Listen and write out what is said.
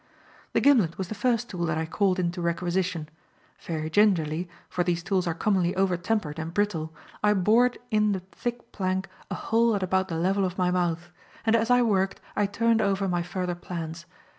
The gimlet was the first tool that I called into requisition. Very gingerly for these tools are commonly over tempered and brittle I bored in the thick plank a hole at about the level of my mouth; and as I worked I turned over my further plans.